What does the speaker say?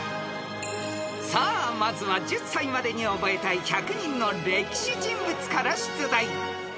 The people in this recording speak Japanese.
［さあまずは１０才までに覚えたい１００人の歴史人物から出題］